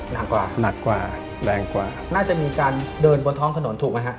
หนักกว่าหนักกว่าแรงกว่าน่าจะมีการเดินบนท้องถนนถูกไหมฮะ